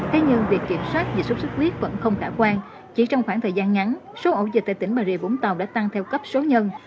thế nhưng việc kiểm soát dịch xuất xuất huyết vẫn không khả quan chỉ trong khoảng thời gian ngắn số ổ dịch tại tỉnh bà rịa vũng tàu đã tăng theo cấp số nhân